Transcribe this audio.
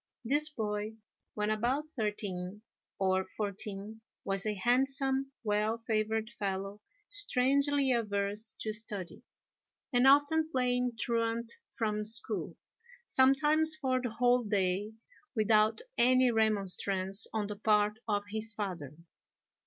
This boy, when about thirteen or fourteen, was a handsome, well favoured fellow, strangely averse to study, and often playing truant from school, sometimes for the whole day, without any remonstrance on the part of his father.